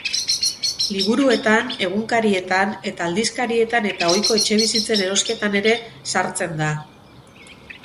Liburuetan, egunkarietan eta aldizkarietan eta ohiko etxebizitzen erosketan ere sartzen da.